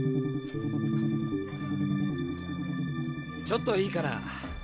ちょっといいかな？